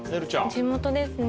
地元ですね。